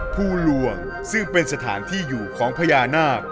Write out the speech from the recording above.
ภูลวงซึ่งเป็นสถานที่อยู่ของพญานาค